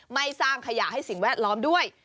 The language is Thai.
ไม่สร้างขยะให้สิ่งแวดล้อมด้วย